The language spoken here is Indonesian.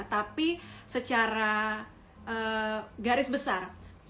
tapi secara garis besar